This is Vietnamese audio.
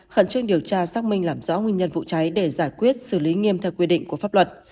khẩn trương điều tra xác minh làm rõ nguyên nhân vụ cháy để giải quyết xử lý nghiêm theo quy định của pháp luật